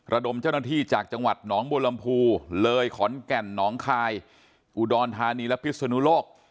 ระดมเจ้าหน้าที่จากจังหวัดหนองบัวลำพูเลยขอนแก่นหนองคายอุดรธานีและพิศนุโลก